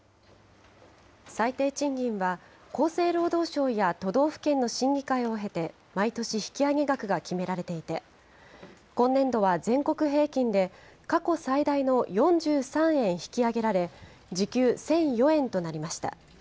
最低賃金は、厚生労働省や都道府県の審議会を経て毎年引き上げ額が決められていて、今年度は全国平均で過去最大の４３円引き上げられ、時給１００４円となりました。